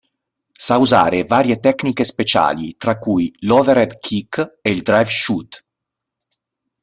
Sa usare varie tecniche speciali, tra cui l'Overhead Kick e il Drive Shoot.